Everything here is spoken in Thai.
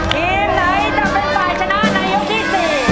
ทีมไหนจะเป็นฝ่ายชนะในยกที่๔